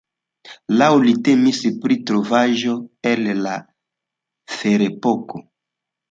Laŭ li, temis pri trovaĵo el la ferepoko.